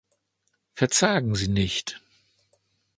Verzagen Sie nicht!